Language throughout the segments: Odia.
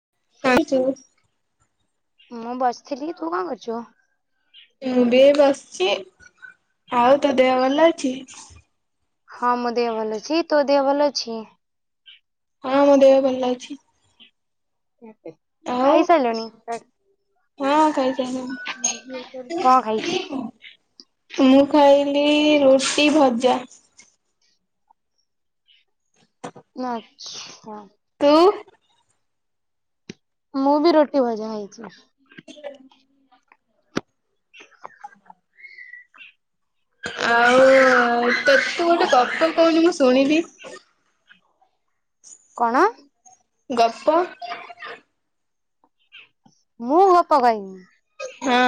[unintelligible] ମୁଁ ବସିଥିଲି। ତୁ କଣ କରୁଛୁ? ମୁଁ ବି ଏଇ ବସଚି। ଆଉ ତୋ ଦେହ ଭଲ ଅଛି? ହଁ ମୋ ଦେହ ଭଲ ଅଛି। ତୋ ଦେହ ଭଲ ଅଛି? ହଁ ମୋ ଦେହ ଭଲ ଲାଗୁଛି। ଖାଇ ସାଇଲୁଣି? ହଁ ଖାଇ କଣ ଖାଇଛୁ? ସାଇଲିଣି। ମୁଁ ଖାଇଲି ରୁଟି ଭଜା। ହଁ। ତୁ? ମୁଁ ବି ରୁଟି ଭଜା ଖାଇଛି। ହ [inaudible] ଆଉ ତ ତୁ ଗୋଟେ ଗପ କହୁନୁ ମୁଁ ଶୁଣିବି। କଣ? ଗପ ମୁଁ ଗପ କଇନି? ହଁ।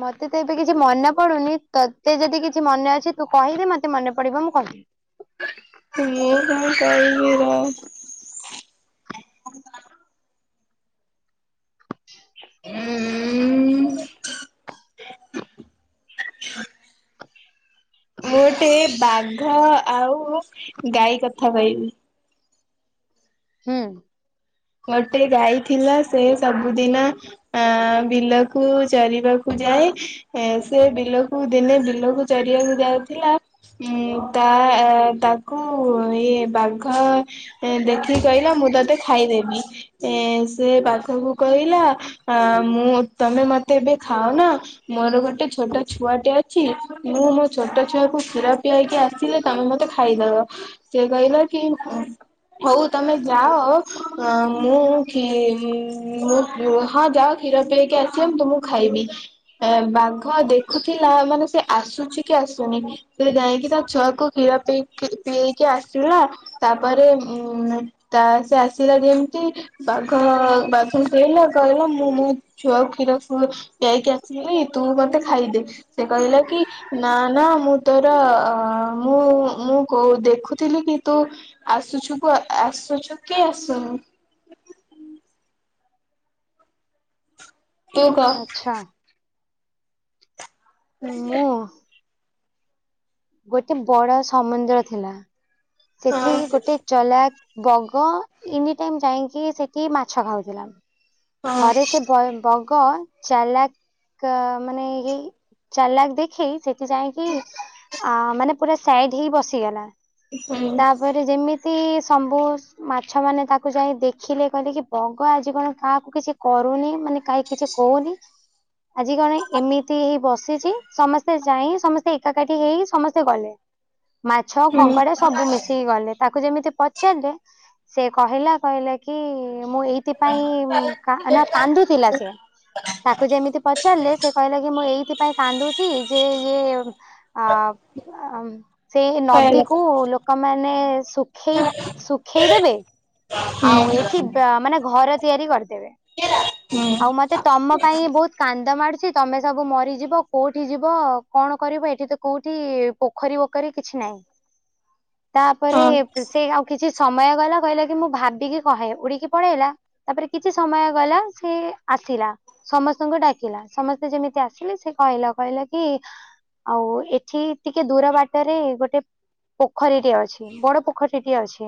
ମତେ ତ ଏବେ କିଛି ମନେ ପଡୁନି ତତେ ଯଦି କିଛି ମନେ ଅଛି ତୁ କହିଲେ ମତେ ମନେ ପଡିବ ମୁଁ କହିବି। ମୁଁ କଣ କରିବି ର [inaudible] ଉଁ ମୁଁ ଗୋଟେ ବାଘ ଆଉ ଗାଈ କଥା କହିବି। ହୁଁ। ଗୋଟେ ଗାଈ ଥିଲା ସେ ସବୁଦିନ ଆ ବିଲକୁ ଚରିବାକୁ ଯାଇଏ ସେ ବିଲକୁ ଦିନେ ବିଲକୁ ଚରିବାକୁ ଯାଉଥିଲା। ଉଁ ତା ତାକୁ ଇଏ ବାଘ ଦେଖିକି କହିଲା ମୁଁ ମୁ ତତେ ଖାଇବି। ହେଁ ସେ ବାଘକୁ କହିଲା ହେଁ ମୁଁ ତମେ ମତେ ଏବେ ଖାଉନା। ମୋର ଗୋଟେ ଛୋଟ ଛୁଆଟେ ଅଛି। ମୁଁ ମୋ ଛୋଟ ଛୁଆ କୁ କ୍ଷୀର ପିଆଇକି ଆସିଲି- ତମେ ମୋତେ ଖାଇଦବ। ସେ କହିଲା କି ହଉ ତମେ ଯାଅ। ହଁ ମୁଁ ମୁଁ ହଁ ଯାଅ କ୍ଷୀର ପିଏଇକି ଆସ ମୁଁ ତୁମକୁ ଖାଇବି। ଏ ବାଘ ଦେଖୁଥିଲା ମାନେ ସେ ଆସୁଛି କି ଆସୁନି। ସେ ଯାଇକି ତା ଛୁଆ - କୁ କ୍ଷୀର ପିଏଇକି ଆସିଲା। ତାପରେ ଉ ତା ସେ- ଆସିଲା ଯେମତି ବାଘ ବାଘ ଖଇଲା କହିଲା ମୁଁ ମୋ ଛୁଆ କ୍ଷୀର- ଯାଇକି ଆସିଲି ତୁ ମୋତେ- ଖାଇଦେ। ସେ କହିଲା କି ନା ନା ମୁଁ ତୋର ମୁଁ ମୁଁ କହୁ- ଦେଖୁଥିଲି କି ତୁ ଆସୁଛୁୁ କୁ ଆସୁଛୁ। କାଇଁ ଆସୁନି। ତୁ କ। ଆଚ୍ଛା ମୁଁ। ଗୋଟେ ବଡ ସମୁନ୍ଦ୍ର ଥିଲା। ହଁ ସେଠି ଗୋଟେ ଚଲାକ - ବଗ ଏନି ଯାଇକି ସେଇଠି ମାଛ ଖାଉଥିଲା। ଥରେ ହଁ ସେ ବ ବଗ- କ ଚାଲାକ୍ ମାନେ ଇଏ ଚାଲାକ ଦେଖେଇ ସେଠ- ଯାଇକି ଆ ମାନେ ପୁରା ସାଇଡ ହେଇ ବସିଗଲା। ତାପରେ ଯେମିତି- ସବୁ ମାଛ ମାନେ ତାକୁ ଯାଇ ଦେଖିଲେ କହିଲେ କି ବଗ ଆଜି କଣ କାହାକୁ କିଛି କ ମାନେ କାହାକି କିଛି କହୁନି ଆଜି କଣ ଏମିତି ବ- ସମସ୍ତେ ଯାଇ ସମସ୍ତେ ଏକାଠି ହେଇ ସମସ୍ତେ ଗଲେ। ମାଛ ହୁଁ କଙ୍କଡା- ସବୁ ମିଶିକି ଗଲେ। ତାକୁ ଯେମିତି ପଚାରିଲେ। ସେ କହିଲା କହିଲା କି- ମୁଁ ଏଇଥିପାଇଁ କା ନା କାନ୍ଦୁଥିଲା ସେ? ତାକୁ ଯେମିତି ପଚାରିଲେ ସେ କହିଲା କି ମୁଁ ଏଇଥିପାଇଁ କାନ୍ଦୁଛି ଯେ ଇଏ ଅ ଆ ସେ ହୁଁ ନଦୀକୁ ଲୋକମାନେ ଶୁଖେଇ ଶୁଖେଇ ଦେବେ। ଆଉ ହୁଁ ଏଠି ବା ମାନେ ଘର ତିଆରି କରିଦେବେ। ହୁଁ ଆଉ ମତେ ତମ ପାଇଁ ବହୁତ କାନ୍ଦ ମାଡୁଛି ତମେ ସବୁ ମରିଯିବ କୋଉଠି ଯିବ କଣ କଣ କରିବ ଏଠି ତ କୋଉଠି ପୋଖରୀ ବୋଖରୀ କିଛି ନାହିଁ। ତାପରେ ହଁ ସେ ଆଉ କିଛି ସମୟ ଗଲା କହିଲା କି ମୁଁ ଭାବିକି କହେ ଉଡିକି ପଳେଇଲା ତାପରେ କିଛି ସମୟ ଗଲା ସେ ଆସିଲା ସମସ୍ତଙ୍କୁ ଡାକିଲା ସମସ୍ତେ ଯେମିତି ଆସିଲେ ସେ କହିଲା କହିଲା କି ଆଉ ଏଠି ଟିକେ ଦୂର ବାଟରେ ଗୋଟେ ପୋ ପୋଖରୀଟିଏ ଅଛି ବଡ ପୋଖରୀଟିଏ ଅଛି।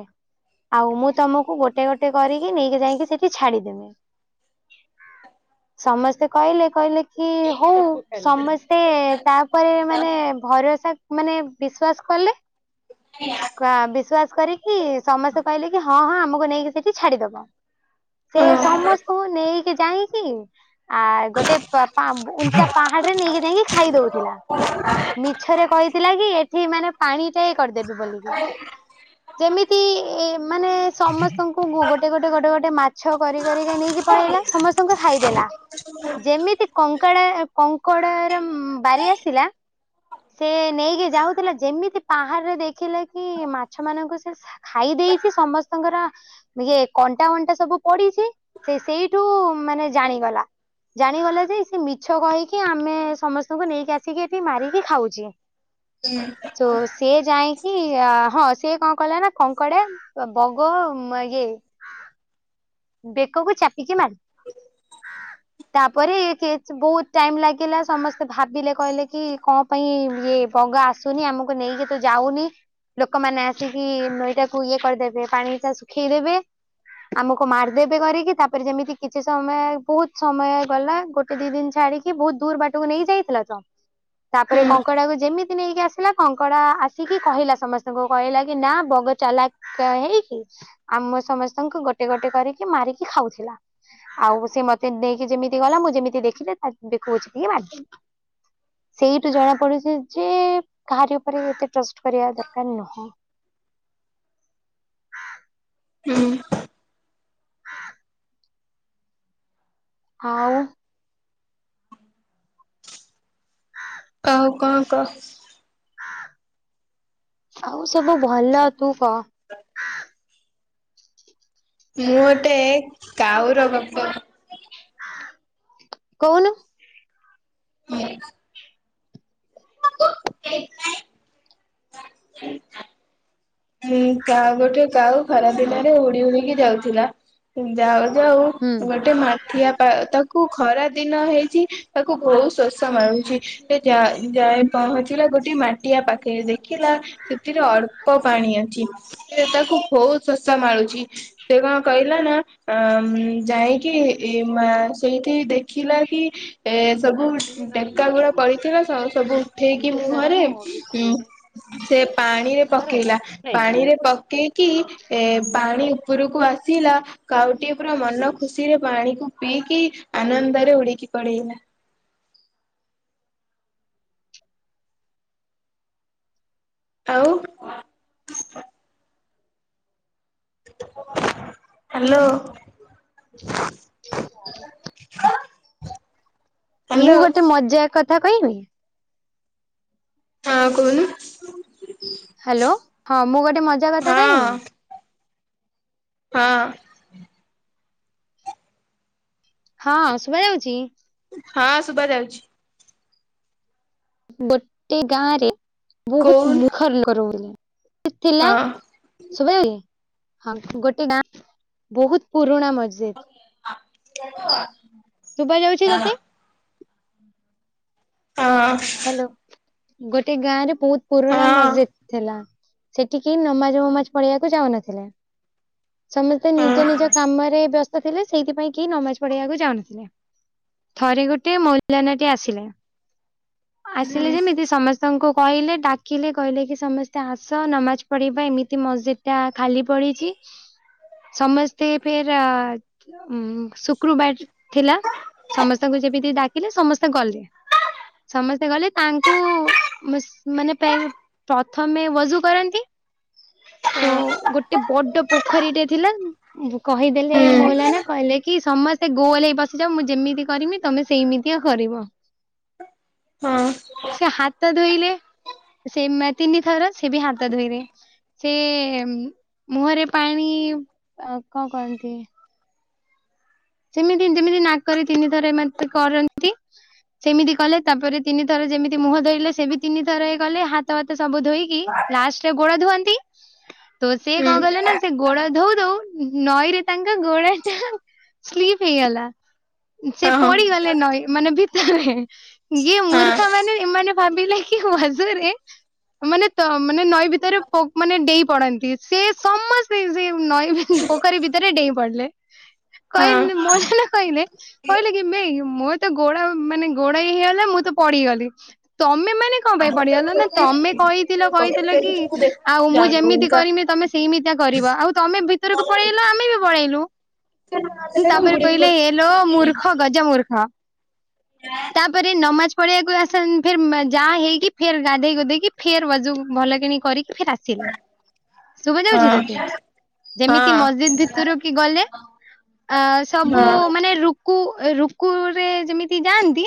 ଆଉ ମୁଁ ତମକୁ ଗୋଟେ ଗୋଟେ କରିକି ନେଇକି ଯାଇକି ସେଠି ଛାଡିଦେମି। ସମସ୍ତେ କହିଲେ କହିଲେ କି ହଉ ସମସ୍ତେ ତାପରେ ମାନେ ଭରସା ମାନେ ବିଶ୍ଵାସ କଲେ। ବିଶ୍ଵାସ କରିକି ସମସ୍ତେ କହିଲେ କି ହଁ ହଁ ଆମକୁ ନେଇକି ସେଠି ଛାଡିଦବ ସେ ହଁ ସମସ୍ତଙ୍କୁ ନେଇକି ଯାଇକି ଆ ଗୋଟେ ପା ଉ ଉଞ୍ଚା ପାହାଡରେ ନେଇକି ଯାଇକି ଖାଇ ଦଉଥିଲା। ମିଛରେ କହିଥିଲା କି ଏଠି ମାନେ ପାଣି ଟାଏ କରିଦେବି ବୋଲିକିରି। ଯେମିତି ଏ ମାନେ ସମସ୍ତଙ୍କୁ ଗୋଟେ ଗୋଟେ ଗୋଟେ ମାଛ କରି କରିକି ନେଇକି ନେଇକି ପଳେଇଲା ସମସ୍ତଙ୍କୁ ଖାଇଦେଲା। ଯେମିତି କଙ୍କଡା କଙ୍କଡ଼ା ର ବାରି ଆସିଲା। ସେ ନେଇକି ଯାଉଥିଲା ଯେମିତି ପା ଦେଖିଲା କି ମାଛ ମାନଙ୍କୁ ସେ ଖାଇ ଦେଇଛି। ସମସ୍ତଙ୍କର ଇଏ କଣ୍ଟା ଅଣ୍ଟା ସବୁ ପଡିଛି। ସେ ସେଇଠୁ ମାନେ ଜାଣିଗଲା। ଜାଣିଗଲା ଯେ, ସେ ମିଛ କହିକି ଆମେ ସମସ୍ତଙ୍କୁ ନେଇକି ଆସିକି ଏଠି ମାରିକି ଖାଉଛି। ହୁଁ। ତ ସିଏ ଯାଇକି ଆ ହଁ ସିଏ କଣ କଲେ ନା? କଙ୍କଡା, ବଗ, ଇଏ ବେକକୁ ଚାପିକି ମାର ତାପରେ କିଏସ ବହୁତ ଟାଇମ୍ ଲାଗିଲା। ସମସ୍ତେ ଭାବିଲେ କହିଲେ କି କଣ ପାଇଁ ଇଏ ବଗା ଆସୁନି ଆମକୁ ନେଇକି ତୁ ଯାଉନି? ଲୋକମାନେ ଆସିକି ନଈଟାକୁ ଇଏ କରିଦେବେ ପାଣି ଟା ଶୁଖେଇଦେବେ। ଆମକୁ ମାରିଦେବେ କରିକି। ତାପରେ ଯେମିତି କିଛି ସମୟ ବହୁତ ସମୟ ଗଲା। ଗୋଟେ ଦି ଦିନ ଛାଡିକି ବହୁତ ଦୂର ବାଟକୁ ନେଇ ଯାଇଥିଲ ତ, ତାପରେ ହୁଁ କଙ୍କଡାକୁ ଯେମିତି ନେଇକି ଆସିଲା। କଙ୍କଡା ଆସିକି କହିଲା ସମସ୍ତଙ୍କୁ କହିଲା କି ନା ବଗ ଚାଲାକ ହେଇକି ଆମ ସମସ୍ତଙ୍କୁ ଗୋ ଗୋଟେ ଗୋଟେ କରିକି ମାରିକି ଖାଉଥିଲା। ଆଉ ସେ ମତେ ନେଇକି ଯେମିତି ଗଲା ମୁଁ ଯେମିତି ଦେଖିଲି, ତା ବେ କଛି କିିଏ ବା ସେଇଠୁ ଜଣା ପଡୁଛି ଯେ! କାହାରି ଉପରେ ଏତେ ଟ୍ରଷ୍ଟ କରିବା ଦରକାର ନୁହଁ। ଆ ହୁଁ। ଆଉ, କଉ କଁ କହ? ଆଉ ସବୁ ଭଲ, ତୁ କହ। ମୁଁ ଓତେ କାଉର ଗପ କହୁନୁ। ହୁଁ [inaudible] [inaudible] ହ [inaudible] ମୁଁ କା ଗୋଟେ କାଉ ଖରାଦିନରେ ଉଡି ଉଡିକି ଯାଉଥିଲା। ଯାଉ, ଯାଉ ହୁଁ। ଗୋଟେ ମାଠିଆ ପା ତାକୁ ଖରା ଦିନ ହେଇଛି। ତାକୁ ବହୁତ ଶୋଷ ମାରୁୁ ସେ ଯା-ଯାଇ ପହଁଚିଲା ଗୋଟେ ମାଟିଆ ପାଖେ ଦେଖିଲା। ସେଥିରେ ଅଳ୍ପ ପାଣି ଅଛି। ସେ ତାକୁ ବହୁତ ଶୋଷ ମାଳୁଛି। ସେ କଣ କହିଲା ନା? ଯାଇକି, ଏ ମା ସେଇଠି ଦେଖିଲା କି? ଏ ସବୁ ଟେକା ଗୁଡା ପଡିଥିଲା ସବୁ। ସବୁ ଉଠେଇକି ମୁହଁରେ ଉ ସେ ପାଣିରେ ପକେଇଲା। ପାଣିରେ ପକେଇକି ଏ ପାଣି ଉପରୁକୁ କୁ ଆସିଲା। କାଉଟି ପୁରା ମନ ଖୁସିରେ ପାଣିକୁ ପିଇକି ଆନନ୍ଦରେ ଉଡିକି ପଳେ ଇଲା। ଆଉ, ହ୍ୟାଲୋ! ମୁଁ ହ୍ୟାଲୋ ଗୋଟେ ମଜା କଥ୍ କଥା କହିବି? ହଁ କୁହୁନୁ। ହ୍ୟାଲୋ! ହଁ ମୁଁ ଗୋଟେ ମଜା କଥା କହିମି? ହଁ ହଁ। ହଁ, ଶୁଭ ଯାଉଛି। ହଁ ଶୁଭ ଯାଉଛି। ଗୋଟେ ଗାଁରେ ବହୁତ କହୁନୁ ମୁଖର ଲୋକ ରହୁଥିଲେ। ଥିଲା ହଁ ସୁବାଯାଉଇ। ହଁ ଗୋଟେ ଗାଁ ବହୁତ ପୁ ପୁଣା ମସ୍ଜିଦ୍। ଶୁଭ ଯାଉଛି ତତେ? ହଁ ହ୍ୟାଲୋ ଗୋଟେ ଗାଁ ରେ ବହୁତ ପୁରୁଣା ହଁ ମସଜିଦ୍ ଥିଲା। ସେଠିକି ନମାଜ ଫମାଜ ପଢିବାକୁ ଯାଉନଥିଲେ। ସମସ୍ତେ ନିଜ ହଁ ନିଜ କାମରେ ବ୍ୟସ୍ତ ଥିଲେ ସେଇଥିପାଇଁ କି ନମାଜ ପଢିବାକୁ ଯାଉନଥିଲେ। ଥରେ ଗୋଟେ ମଉଲାନ୍ ଟେ ଆସିଲେ ହୁଁ ଆସିଲେ ଯେମିତି ସମସ୍ତଙ୍କୁ କହିଲେ ଡାକିଲେ କହିଲେ କି ସମସ୍ତେ ଆସ ନମାଜ ପଢିବା ଏମିତି ମସଜିଦ୍ ଟା ଖାଲି ପଡ଼ିଛି। ସମସ୍ତେ ଫେର ଆ ଉଁ ଶୁକ୍ରବାର ଥିଲା ସମସ୍ତଙ୍କୁ ଯେମିତି ଡାକିଲେ ସମସ୍ତେ ଗଲେ। ସମସ୍ତେ ଗଲେ ତାଙ୍କୁ ବାସ୍ ମାନେ ପା ପ୍ରଥମେ ବଜୁ କରନ୍ତି। ତ ହଁ ଗୋଟେ ବଡ ପୋଖରୀଟେ ଥିଲା କହିଦେଲେ ହୁଁ ମଉଲାନ କହିଲେ କି ସମ ସେ ଗୋଲ ହେଇ ବସିଯାଅ ମୁଁ ଯେମିତି କରିମି ତମେ ସେଇମିତିଆ କରିବ। ହଁ। ସେ ହାତ ଧୋଇଲେ ସେ ମା ତିନି ଥର ସେ ବି ହାତ ଧୋଇଲେ। ସେ ମୁହଁରେ ପାଣି ଅ କଣ କହନ୍ତି ସେମିତି ଯେମିତି ନାକରେ ତିନିଥର ଏମାନ୍ତେ କରନ୍ତି। ସେମିତି କଲେ ତାପରେ ତିନି ଥର ଯେମିତି ମୁହଁ ଧୋଇଲେ ସେ ବି ତିନିଥର ଇଏ କଲେ ହାତ ଭାତ ସବୁ ଧୋଇକି ଲାଷ୍ଟରେ ଗୋଡ ଧୁଅନ୍ତି ତ ସିଏ ହୁଁ କଣ କଲେ ନା ଗୋଡ ଧୋଉ ଧୋଉ ନଈ ରେ ତାଙ୍କ ଗୋଡ ଟା ସ୍ଲିପ ହେଇଗଲା। ସେ ହଁ ପଡିଗଲେ ନଈ ମାନେ ଭିତରେ ଇଏ ହଁ ମୁର୍ଖା ମାନେ ଏମାନେ ଭାବିଲେ କି ହୁଆଜରେ ମାନେ ତ ମାନେ ନଈ ଭିତରେ ପ ମାନେ ଡେଇ ପଡନ୍ତି ସେ ସମସ୍ତେ ସେ ନଈ ଭି ପୋଖରୀ ଭିତରେ ଡେଇଁ ପଡିଲେ। ହଁ କହିଲେ ମଉଜାନା କହିଲେ କହିଲେ କି ନାଇଁ ମୋର ତ ଗୋଡା ମାନେ ଗୋଡା ଇଏ ହେଇଗଲା ମୁଁ ତ ପଡ଼ି ଗ ପଡି ଗଲି ତମେ ମାନେ କଣ ପାଇଁ ପଡିଗଲା ନା ତମେ କହିଥିଲ କହିଥିଲ କି ଆଉ ମୁଁ ଯେମିତି କରିମି ତମେ ସେଇମିତିଆ କରିବ ଆଉ ତମେ ଭିତରକୁ ପ ଳେଇଲ ଆମେ ବି ପଳେଇଲୁ। ତାପରେ କହିଲେ ହେଲୋ ମୂର୍ଖ ଗଜ ମୂର୍ଖ। ତାପରେ ନମାଜ ପଳେଇଆକୁ ଆସ ଫିର୍ ମା ଯାହା ହେଇକି ଫେର୍ ଗାଧେଇ ଗୋଧେଇକି ଫିର୍ ବଜୁମ୍ ଭଲକିଣି କରିକି ଫିର୍ ଆସିଲୁ। ଶୁବା ଯାଉଚି ତତେ ଯେମିତି ମସ୍ଜିଦ୍ ଭିତରୁ କି ଗଲେ ଅ ସବୁ ମାନେ ରୁକୁ ରୁକୁରେ ଯେମିତି ଯାଆନ୍ତି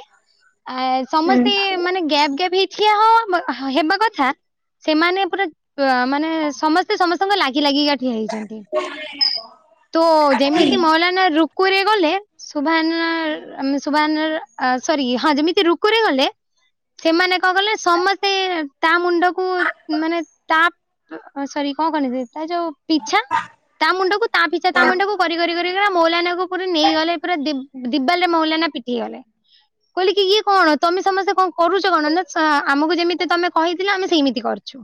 ଆ ସମସ୍ତେ ମାନେ ଗ୍ୟାପ୍ ଗ୍ୟାପ୍ ହେଇି ଠିଆ ହୋ ଆମର ହଁ-ହେ-ହେବା କଥା ସେମାନେ ପୁରା ମାନେ ସମସ୍ତେ ସମସ୍ତଙ୍କ ଲାଗି ଲାଗିକା ହେଇଚନ୍ତି ତୋ ଯେମିତ ନା ରୁକୁରେ ଗଲେ ସୁଭାନ୍ନା ଆମେ ଶୁଭାନ୍ନାର ସରି ହଁ ଯେମିତି ରୁକୁରେ ଗଲେ ସେମାନେ କଣ କଲେ ସମସ୍ତେ ତା ମୁଣ୍ଡକୁ ମାନେ ତା ସରି କଣ କନି ତା ଯୋଉ ପିଛା ତା ମୁଣ୍ଡକୁ ତା ପିଛା ତା ମୁଣ୍ଡକୁ କରି କରି କରି ମୌଲାନା କ ପୁର ନେଇଗଲେ ପୁରା ଦି-ଦିବାଲ ରେ ମୌଲାନା ପିଠେଇଗଲେ। କହିଲି କି ଇଏ କଣ ତମେ ସମସ୍ତେ କଣ କରୁଚ କଣ ନା ଆମକୁ ଯେମିତି ତମେ କହିଥିଲ ଆମେ ସେଇମିତି କରିଚୁ।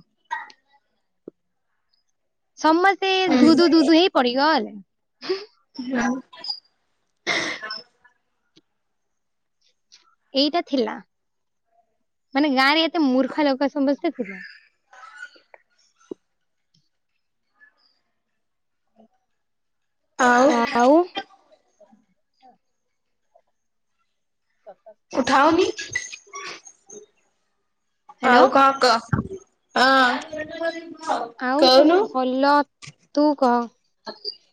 ସମସ୍ତେ ଧୁଦୁ ଧୁଦୁ ହେଇ ପଡି ଗଲେ। ଏଇଟା ଥିଲା ମାନେ ଗାଁ ରେ ଏତେ ମୂର୍ଖ ଲୋକ ସମସ୍ତେ ଥିଲା। ଆଉ। ଆଉ ଉଠାଅନି। ହ୍ୟାଲୋ ଆଉ କଣ କହ? ହଁ। ଆଉ ସବୁ ଭଲ। ତୁ କହ।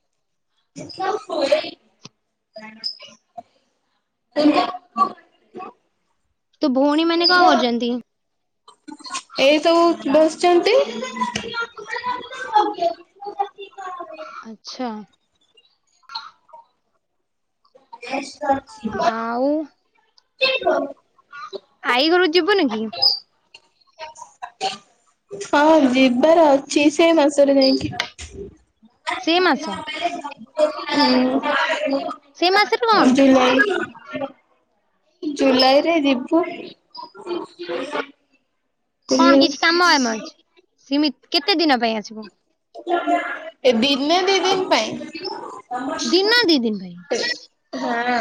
[unintelligible] [unintelligible] ତୋ ଭଉଣୀ ମାନେ କଣ କରୁଛନ୍ତି ଏଇ ସବୁ ବସିଚନ୍ତି। [unintelligible] ଆଚ୍ଛା। ଆଉ [unintelligible] [unintelligible] ଆଈ ଘରୁ କୁ ଯିବୁନି କି? ହଁ ଯିବାର ଅଛି। ସେଇ ମାସରେ ଯାଇକି। [unintelligible] ସେଇ ମାସ ହୁଁ। ସେ ମାସରେ କଣ କି? ଜୁଲାଇ ରେ ଯିବୁ। କଣ କିଛି ଏ କାମ ଫାମ ଅଛି? କେତେ ଦିନ ପାଇଁ ଆସିବୁ? ଏ ଦିନେ ଦିନ ପାଇଁ। ଦିନ ଦି ଦିନ ପାଇଁ। ହଁ।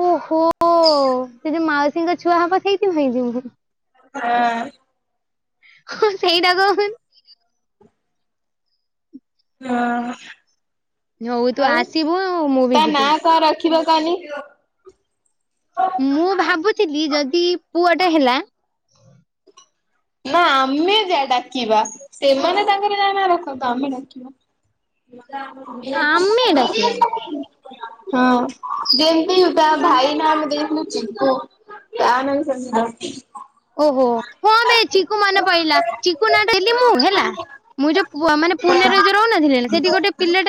ଓହୋ ସେ ଯଉ ମାଉସୀଙ୍କ ଛୁଆ ହବ ସେଇଥି ପାଇଁ ଯିବୁ। ହଁ। ହଁ ସେଇଟାକ ଉପ- ହଁ ହଉ ତୁ ଆଉ ଆସିବୁ ମୁଁ ବି ତା ନା ଯିବି। କଣ ରଖି - [unintelligible] ମୁଁ ଭାବୁଛିକୀ ଯଦି ପୁଅଟା ହେଲା। ନା ଆମେ ଯା ଡାକିବା। ସେମାନେ ତାଙ୍କର ଯା ନା ରଖନ୍ତୁ ଆମେ ଡାକିବା। [inaudible] ଆମେ ଡାକିବା। ହଁ। ଉଟା ଆମ୍ ଭାଇ ନାମ ଦେଇଥିଲୁ ଚିକୁ। ତା ନାମ ସେମତି - ଓହୋ ହଁ ବେ ଚିକୁ ମନେ ପହିଲା। ଚିକୁ ନାଁ ଟା ଦେଲି ମୁଁ ହେଲା। ମୁଁ ଯୋଉ ମାନେ ପୁନେରେ ଯୋଉ ରହୁଥିଲି। ସେଠି ଗୋଟେ ପିଲାଟା-